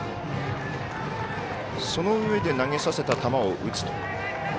そのうえで投げさせた球を打つと。